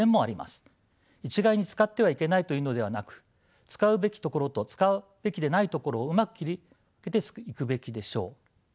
一概に使ってはいけないというのではなく使うべきところと使うべきでないところをうまく切り分けていくべきでしょう。